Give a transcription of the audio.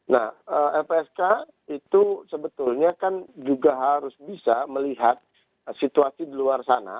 nah lpsk itu sebetulnya kan juga harus bisa melihat situasi di luar sana